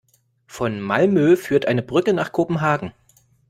Von Malmö führt eine Brücke nach Kopenhagen.